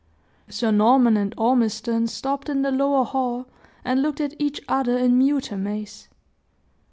Sir Norman and Ormiston stopped in the lower hall and looked at each other in mute amaze.